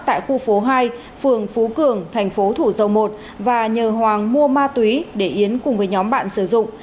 tại khu phố hai phường phú cường thành phố thủ dầu một và nhờ hoàng mua ma túy để yến cùng với nhóm bạn sử dụng